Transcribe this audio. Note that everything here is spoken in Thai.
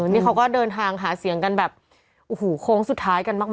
นี่เขาก็เดินทางหาเสียงกันแบบโอ้โหโค้งสุดท้ายกันมาก